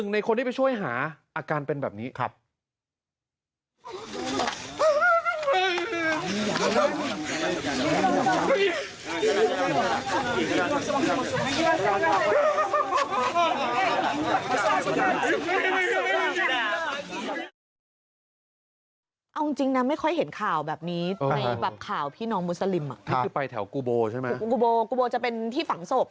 ในคนที่ไปช่วยหาอาการเป็นแบบนี้ครับ